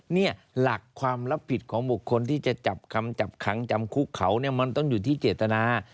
เนี่ยหลักความรับผิดของบุคคลที่จะจับคำจับขังจำคุกเขาเนี่ยมันต้องอยู่ที่เจตนา